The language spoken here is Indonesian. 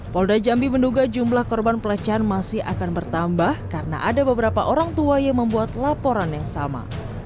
polda jambi menduga jumlah korban pelecehan masih akan bertambah karena ada beberapa orang tua yang membuat laporan yang sama